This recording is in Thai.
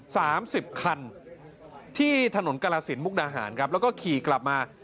สามสิบคันที่ถนนกรสินมุกดาหารครับแล้วก็ขี่กลับมา